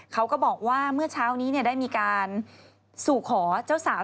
เขาก็บอกว่าเมื่อเช้านี้ได้มีการสู่ขอเจ้าสาว